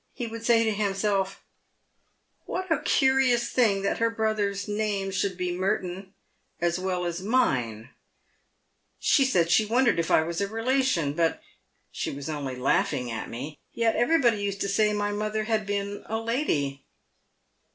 He would say to himself, "What a curious thing that her brother's name should be Merton as well as mine ! She said she wondered if I was a relation, but she was only laughing at me. Yet everybody used to say my mother had been a lady.